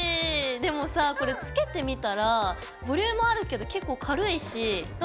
でもさこれつけてみたらボリュームあるけど結構軽いしなんかねバランスとれてる。